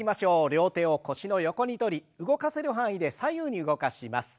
両手を腰の横にとり動かせる範囲で左右に動かします。